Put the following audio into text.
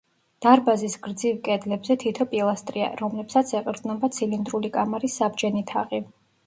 დარბაზის გრძივ კედლებზე თითო პილასტრია, რომლებსაც ეყრდნობა ცილინდრული კამარის საბჯენი თაღი.